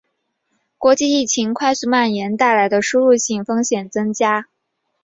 国际疫情快速蔓延带来的输入性风险增加